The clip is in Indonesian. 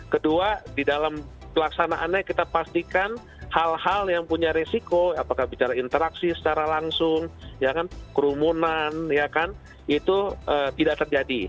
kedua di dalam pelaksanaannya kita pastikan hal hal yang punya risiko apakah bicara interaksi secara langsung ya kan kerumunan ya kan itu tidak terjadi